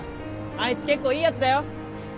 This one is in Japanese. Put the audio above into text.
あいつ結構いいやつだよ